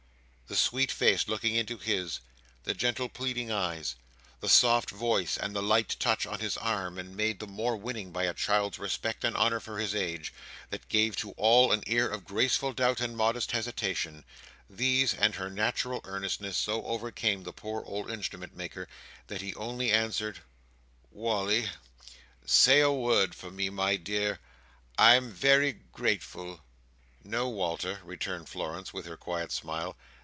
The sweet face looking into his, the gentle pleading eyes, the soft voice, and the light touch on his arm made the more winning by a child's respect and honour for his age, that gave to all an air of graceful doubt and modest hesitation—these, and her natural earnestness, so overcame the poor old Instrument maker, that he only answered: "Wally! say a word for me, my dear. I'm very grateful." "No, Walter," returned Florence with her quiet smile.